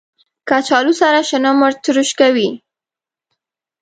کچالو سره شنه مرچ تروش کوي